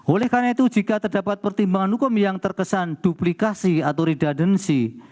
oleh karena itu jika terdapat pertimbangan hukum yang terkesan duplikasi atau redudensi